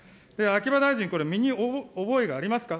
秋葉大臣、これ、身に覚えがありますか。